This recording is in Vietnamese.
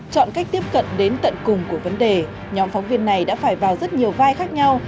chọn cách tiếp cận đến tận cùng của vấn đề nhóm phóng viên này đã phải vào rất nhiều vai khác nhau